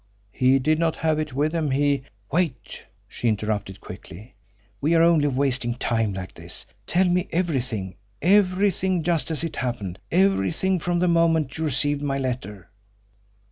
"He did not have it with him; he " "Wait!" she interrupted quickly. "We are only wasting time like this! Tell me everything, everything just as it happened, everything from the moment you received my letter."